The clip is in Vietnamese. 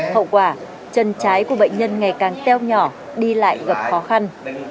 hậu quả chân trái của bệnh nhân ngày càng teo nhỏ đi lại gặp khó khăn